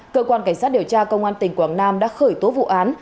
cơ quan cảnh sát điều tra công an tỉnh quảng nam đã khởi tố vụ án